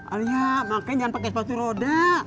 alia makan jangan pakai sepatu roda